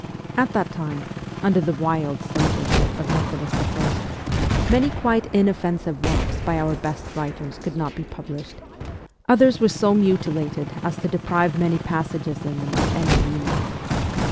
At that time, under the wild censorship of Nicholas I., many quite inoffensive works by our best writers could not be published ; others were so mutilated as to de prive many passages in them of any meaning.